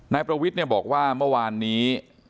นายประวิทธิ์เนี่ยบอกว่าเมื่อวานนี้